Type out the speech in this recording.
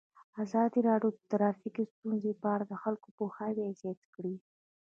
ازادي راډیو د ټرافیکي ستونزې په اړه د خلکو پوهاوی زیات کړی.